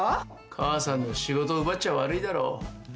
母さんの仕事を奪っちゃ悪いだろ。